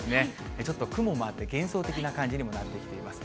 ちょっと雲もあって幻想的な感じにもなってきています。